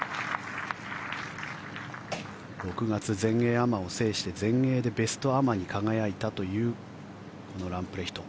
６月、全英アマを制して全米でベストアマに輝いたというこのランプレヒト。